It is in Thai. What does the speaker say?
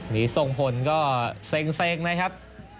มีทรงพลก็เซ็งนะครับ